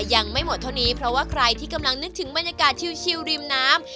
ยังไม่หมดเท่านี้เพราะว่าใครที่กำลังนึกถึงบรรยากาศชิลริมน้ำ